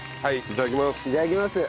いただきます。